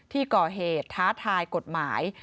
ที่ก่อเหตุท้าทายกฎหมาย